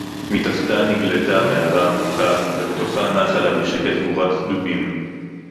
מִתַּחְתָּן נִגְלְתָה מְעָרָה עֲמֻקָּה — וּבְתוֹכָהּ נָחָה לָהּ בְּשֶׁקֶט גּוּרַת דֻּבִּים.